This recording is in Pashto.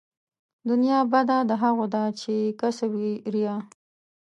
دنيا بده د هغو ده چې يې کسب وي ريا